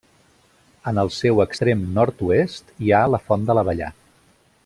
En el seu extrem nord-oest hi ha la Font de l'Abellar.